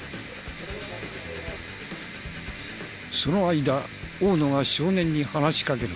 その間大野が少年に話しかける。